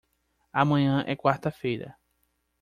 Amanhã é quarta-feira.